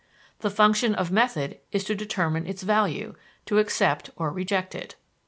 The function of method is to determine its value, to accept or reject it.